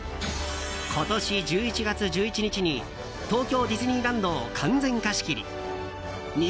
今年１１月１１日に東京ディズニーランドを完全貸し切り。